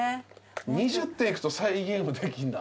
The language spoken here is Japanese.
２０点いくと再ゲームできんだ。